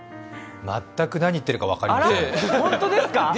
全く何言ってるか分かりません何？